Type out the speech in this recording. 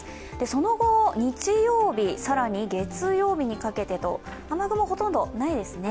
その後、日曜日、更に月曜日にかけてと雨雲、ほとんどないですね